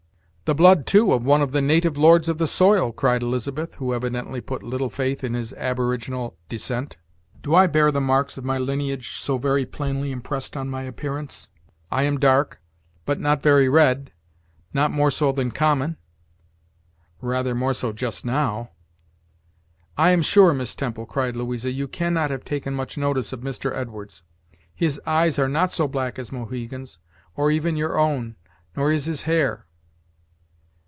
"The blood, too, of one of the native lords of the soil!" cried Elizabeth, who evidently put little faith in his aboriginal descent. "Do I bear the marks of my lineage so very plainly impressed on my appearance? I am dark, but not very red not more so than common?" "Rather more so, just now." "I am sure, Miss Temple," cried Louisa, "you cannot have taken much notice of Mr. Edwards. His eyes are not so black as Mohegan's or even your own, nor is his hair."